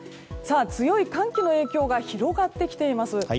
強い寒気の影響が広がってきています。